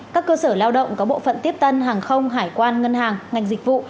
các cơ sở lao động có bộ phận tiếp tân hàng không hải quan ngân hàng ngành dịch vụ